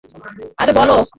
আরে, বল?